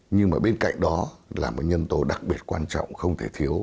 nhưng mà bên cạnh đó là một nhân tố đặc biệt quan trọng không thể thiếu